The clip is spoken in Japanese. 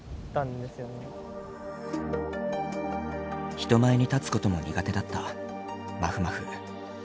人前に立つことも苦手だったまふまふ。